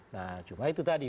nah cuma itu tadi